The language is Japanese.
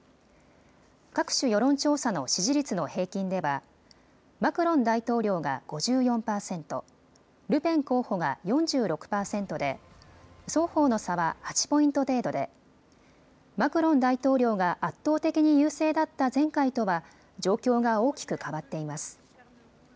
各種世論調査の支持率の平均ではマクロン大統領が５４％、ルペン候補が４６％で双方の差は８ポイント程度でマクロン大統領が圧倒的に優勢だった前回とは状況が大きく変わっています。